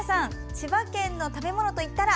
千葉県の食べ物といえば？